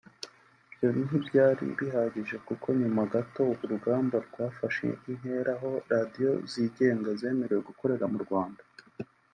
Ibyo ntibyari bihagije kuko nyuma gato urugamba rwafashe intera aho radiyo zigenga zemerewe gukorera mu Rwanda